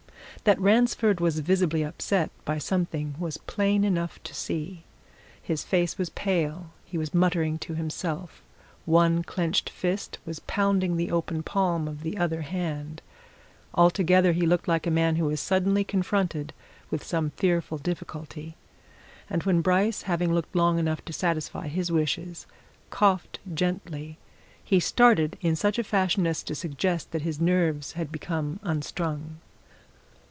That Ransford was visibly upset by something was plain enough to see; his face was still pale, he was muttering to himself, one clenched fist was pounding the open palm of the other hand altogether, he looked like a man who is suddenly confronted with some fearful difficulty. And when Bryce, having looked long enough to satisfy his wishes, coughed gently, he started in such a fashion as to suggest that his nerves had become unstrung.